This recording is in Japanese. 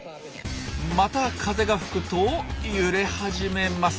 また風が吹くと揺れ始めます。